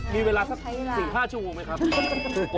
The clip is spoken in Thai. มีเวลาสัก๔๕ชั่วโมงไหมครับ